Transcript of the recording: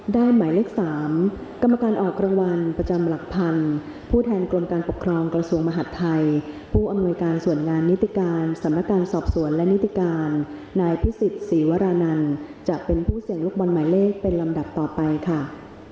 หมายเลข๓กรรมการออกรางวัลประจำหลักพันธุ์ผู้แทนกรมการปกครองกระทรวงมหาดไทยผู้อำนวยการส่วนงานนิติการสำนักการสอบสวนและนิติการนายพิสิทธิ์ศรีวรานันจะเป็นผู้เสี่ยงลูกบอลหมายเลขเป็นลำดับต่อไปค่ะ